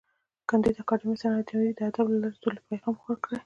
کانديد اکاډميسن عطايي د ادب له لارې د سولې پیغام خپور کړی دی.